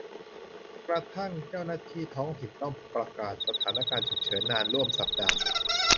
กระทั่งเจ้าหน้าที่ท้องถิ่นต้องประกาศสถานการณ์ฉุกเฉินนานร่วมสัปดาห์